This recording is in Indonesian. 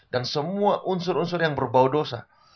dan semua unsur unsur yang berbau dosa